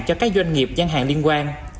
cho các doanh nghiệp giang hàng liên quan